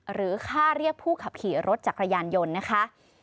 หรือค่าเรียกผู้ขับขี่รถจักรยานยนต์นะคะ